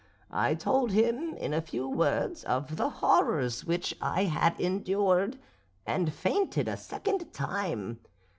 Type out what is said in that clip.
I told him in a few words of the horrors which I had endured, and fainted a second time.